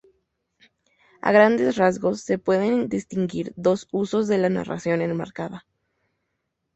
A grandes rasgos, se pueden distinguir dos usos de la narración enmarcada.